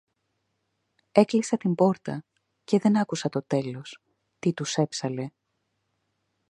Έκλεισε την πόρτα, και δεν άκουσα το τέλος, τι τους έψαλε